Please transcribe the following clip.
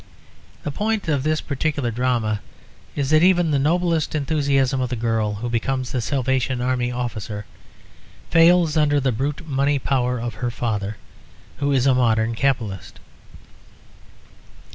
The point of this particular drama is that even the noblest enthusiasm of the girl who becomes a Salvation Army officer fails under the brute money power of her father who is a modern capitalist.